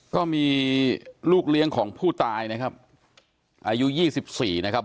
ก็ลูกเลี้ยงของผู้ตายนะครับอายุยี่สิบสี่นะครับ